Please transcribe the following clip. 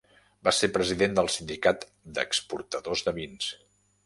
Va ser president del Sindicat d'Exportadors de Vins.